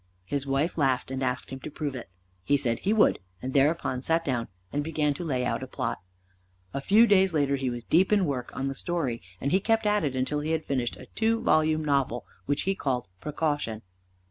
His wife laughed, and asked him to prove it. He said he would, and thereupon sat down and began to lay out a plot. A few days later he was deep in work on the story, and he kept at it until he had finished a two volume novel, which he called "Precaution."